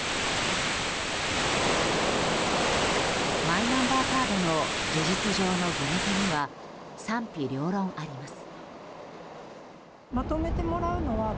マイナンバーカードの事実上の義務化には賛否両論あります。